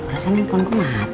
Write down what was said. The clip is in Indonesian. rasanya telepon gue mati